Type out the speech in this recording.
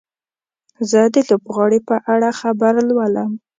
زه د لوبغاړي په اړه خبر لولم.